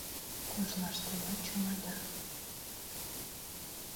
Кожлаштыда чомада